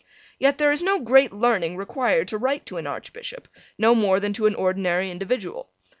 Yet there is no great learning required to write to an Archbishop, no more than to an ordinary individual.